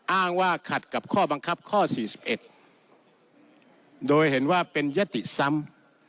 อ้างว่าขัดกับข้อบังคับข้อ๔๑โดยเห็นว่าเป็นยติซ้ำ